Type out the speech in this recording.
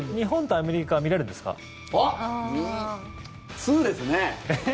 通ですね！